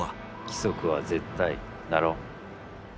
規則は絶対だろ？